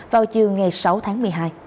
vào chiều ngày sáu tháng một mươi hai